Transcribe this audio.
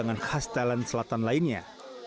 pangan khas thailand selatan lainnya